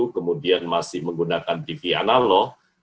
kemudian masih menggunakan tv analog